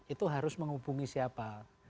itu harus menghubungi siapa